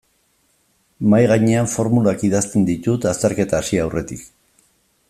Mahaigainean formulak idazten ditut azterketa hasi aurretik.